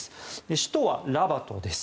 首都はラバトです。